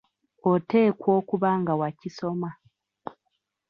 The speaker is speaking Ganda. Oteekwa okuba nga wakisoma.